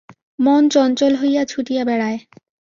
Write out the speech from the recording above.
মন চঞ্চল হইয়া ছুটিয়া বেড়ায়।